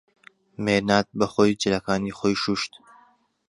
مێناد بەخۆی جلەکانی خۆی شووشت.